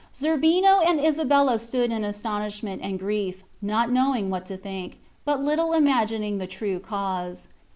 Zerbino and Isabella stood in astonishment and grief, not knowing what to think, but little imagining the true cause.